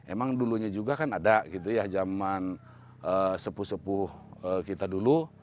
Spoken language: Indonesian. emang dulunya juga kan ada gitu ya zaman sepuh sepuh kita dulu